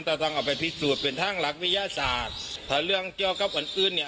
แต่ต้องเอาไปพิสูจน์เป็นทางรักวิญญาติศาสตร์ถ้าเรื่องเจ้ากับอื่นอื่นเนี้ย